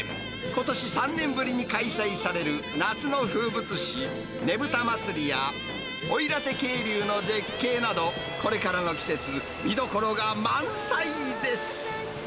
ことし３年ぶりに開催される夏の風物詩、ねぶた祭りや奥入瀬渓流の絶景など、これからの季節、見どころが満載です。